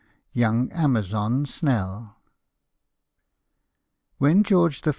_ YOUNG AMAZON SNELL When George I.